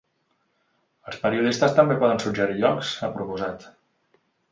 Els periodistes també poden suggerir llocs, ha proposat.